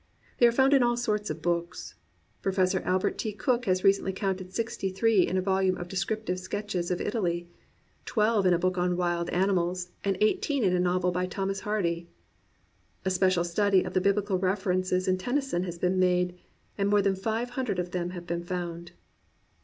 They are found in all sorts of books. Professor Albert T. Cook has recently counted sixty three in a volume of descriptive sketches of Italy, twelve in a book on wild animals, and eighteen in a novel by Thomas Hardy. A special study of the Biblical references in Tennyson has been made,* and more than five hundred of them have been found.